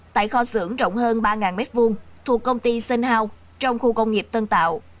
tại kho xưởng rộng hơn ba m hai thuộc công ty sinh hau trong khu công nghiệp tân tạo